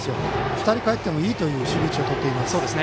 ２人かえってもいいという守備位置をとっています。